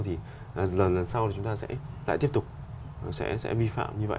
thì lần sau chúng ta sẽ lại tiếp tục sẽ vi phạm như vậy